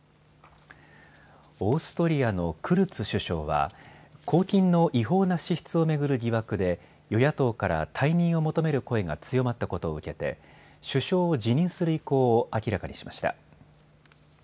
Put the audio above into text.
オーストリアのクルツ首相は公金の違法な支出を巡る疑惑で与野党から退任を求める声が強まったことを受けて首相を辞任する意向を明らかにしました。